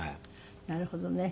なるほどね。